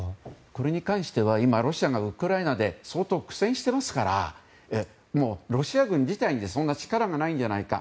これに関しては今、ロシアがウクライナで相当、苦戦していますからロシア軍自体にそんな力がないんじゃないか。